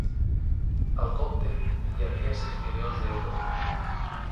Al compte hi havia sis milions d'euros